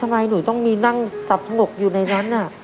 ทำไมหนูต้องมีนั่งสับถงกอยู่ในนั้น